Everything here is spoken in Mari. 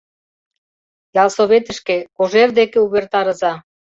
— Ялсоветышке, Кожер деке увертарыза...